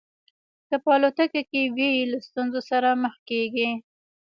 که په الوتکه کې وي له ستونزو سره مخ کېږي.